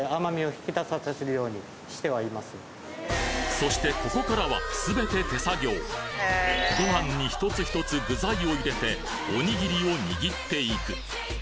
そしてここからは全て手作業ご飯に１つ１つ具材を入れておにぎりを握っていく！